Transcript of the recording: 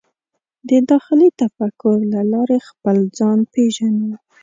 د داخلي تفکر له لارې خپل ځان پېژنو.